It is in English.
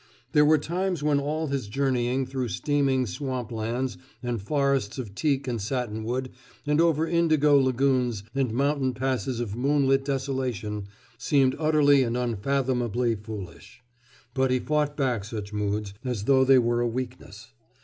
There were times when all his journeying through steaming swamplands and forests of teak and satinwood and over indigo lagoons and mountain passes of moonlit desolation seemed utterly and unfathomably foolish. But he fought back such moods, as though they were a weakness.